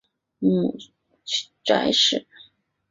母翟氏。